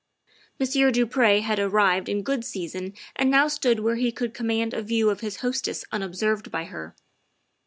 Monsieur du Pre had arrived in good season and now stood where he could command a view of his hostess un observed by her.